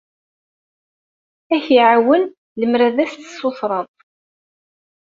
Ad k-iɛawen lemmer ad as-tessutreḍ.